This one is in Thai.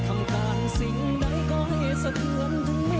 ทำการสิ่งใดก็ให้สะเทือนทั้งเหมือน